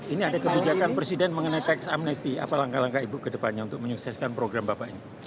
ini ada kebijakan presiden mengenai teks amnesti apa langkah langkah ibu kedepannya untuk menyukseskan program bapak ini